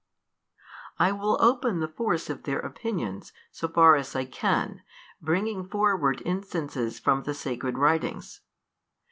I will open the force of their opinions, so far as I can, bringing forward instances from the Sacred Writings.